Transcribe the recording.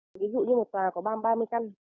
ví dụ như một tòa có ba mươi căn